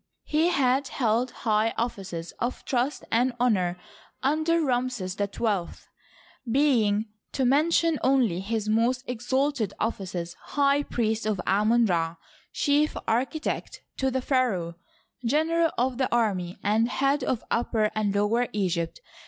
He had held high offices of trust and honor under Ramses XH, being, to mention only his most exalted offices, high priest of Amon Ra, chief architect to the pharaoh, general of the army, and head of Upper and Lower Egypt.